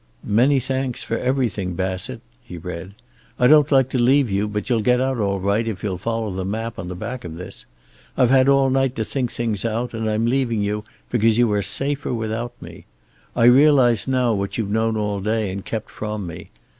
"Many thanks for everything, Bassett," he read. "I don't like to leave you, but you'll get out all right if you follow the map on the back of this. I've had all night to think things out, and I'm leaving you because you are safer without me. I realize now what you've known all day and kept from me.